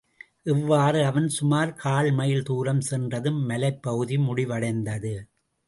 இவ்வாறு அவன் சுமார் கால் மைல் தூரம் சென்றதும் மலைப்பகுதி முடிவடைந்தது.